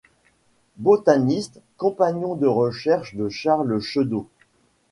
Botaniste, compagnon de recherches de Charles Chedeau.